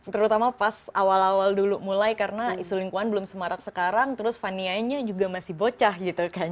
terutama pas awal awal dulu mulai karena isu lingkungan belum semarak sekarang terus vanianya juga masih bocah gitu kan